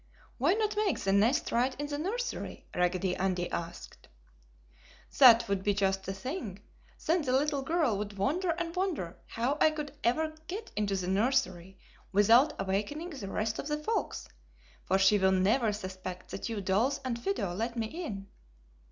"Why not make the nest right in the nursery?" Raggedy Andy asked. "That would be just the thing! Then the little girl would wonder and wonder how I could ever get into the nursery without awakening the rest of the folks, for she will never suspect that you dolls and Fido let me in!"